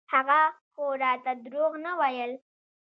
هغه خو راته دروغ نه ويل.